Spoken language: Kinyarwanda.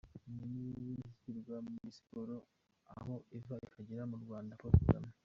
Umuntu w’indashyikirwa muri siporo aho iva ikagera mu Rwanda: Paul Kagame.